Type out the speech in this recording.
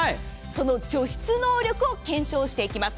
その除湿能力を検証していきます。